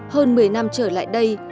hơn một mươi năm trở lại đây